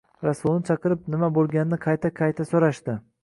Rasulni chaqirib, nima bo`lganini qayta-qayta so`rashdi